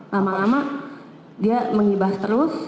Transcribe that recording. lama lama dia mengibas terus